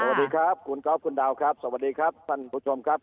สวัสดีครับคุณก๊อฟคุณดาวครับสวัสดีครับท่านผู้ชมครับ